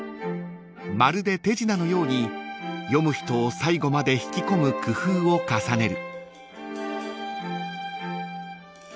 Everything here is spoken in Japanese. ［まるで手品のように読む人を最後まで引き込む工夫を重ねる］